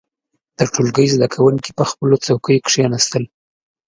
• د ټولګي زده کوونکي پر خپلو څوکيو کښېناستل.